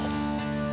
hah hah hah